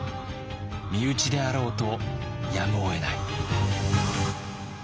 身内であろうとやむをえない。